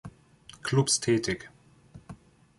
Clubs tätig.